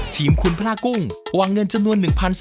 ทีมคุณพระกุ้งวางเงินจำนวน๑๒๐๐